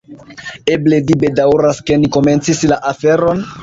Eble vi bedaŭras, ke ni komencis la aferon?